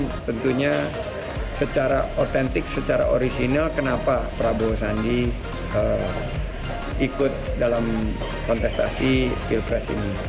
nah tentunya secara otentik secara orisinal kenapa prabowo sandi ikut dalam kontestasi pilpres ini